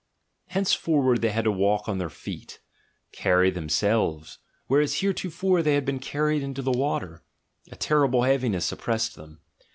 Henceforward they had to walk on their feet — "carry themselves," whereas hereto fore they had been carried by the water: a terrible heavi ness oppressed them.